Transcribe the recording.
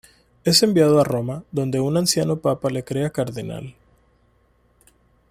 Es enviado a Roma, donde un anciano papa le crea cardenal.